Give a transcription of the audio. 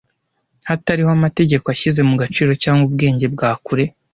hatariho amategeko ashyize mu gaciro cyangwa ubwenge bwa kure